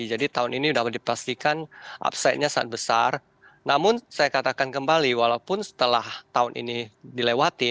jadi tahun ini sudah dipastikan upside nya sangat besar namun saya katakan kembali walaupun setelah tahun ini dilewati